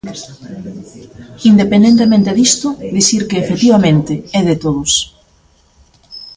Independentemente disto, dicir que, efectivamente, é de todos.